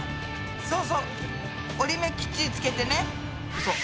そうそう折り目きっちりつけてね。